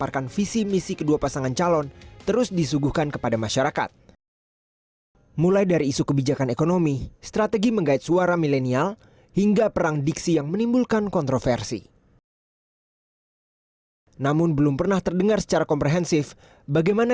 kedua pasangan calon presiden dan wakil presiden